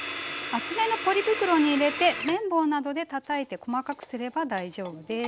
厚めのポリ袋に入れて麺棒などでたたいて細かくすれば大丈夫です。